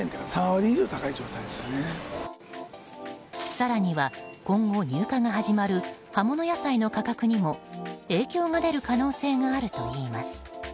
更には今後、入荷が始まる葉物野菜の価格にも影響が出る可能性があるといいます。